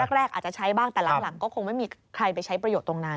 แรกอาจจะใช้บ้างแต่หลังก็คงไม่มีใครไปใช้ประโยชน์ตรงนั้น